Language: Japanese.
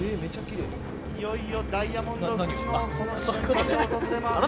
いよいよダイヤモンド富士のその瞬間が訪れました。